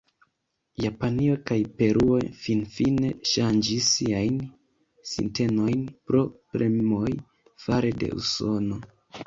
Japanio kaj Peruo finfine ŝanĝis siajn sintenojn pro premoj fare de Usono.